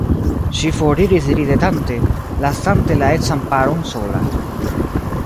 Ŝi foriris ridetante, lasante la edzan paron sola.